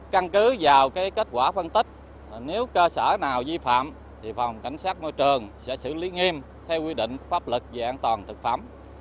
căn cứ vào kết quả phân tích nếu cơ sở nào vi phạm thì phòng cảnh sát môi trường sẽ xử lý nghiêm theo quy định pháp lực về an toàn thực phẩm